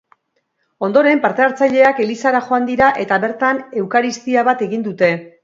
Ondoren, parte-hartzaileak elizara joan dira eta bertan eukaristia bat egin dute.